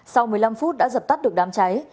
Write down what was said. sau một mươi năm phút đã dập tắt được đám cháy